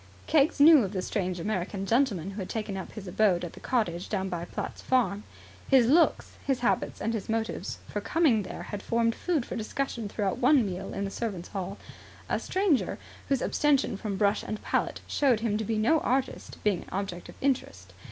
Keggs knew of the strange American gentleman who had taken up his abode at the cottage down by Platt's farm. His looks, his habits, and his motives for coming there had formed food for discussion throughout one meal in the servant's hall; a stranger whose abstention from brush and palette showed him to be no artist being an object of interest.